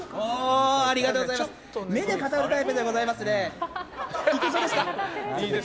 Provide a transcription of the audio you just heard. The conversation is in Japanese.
目で語るタイプでございますね。